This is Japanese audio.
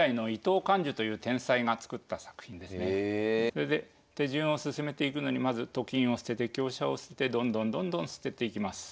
それで手順を進めていくのにまずと金を捨てて香車を捨ててどんどんどんどん捨てていきます。